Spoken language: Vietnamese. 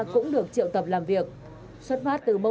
cũng được triệu tầm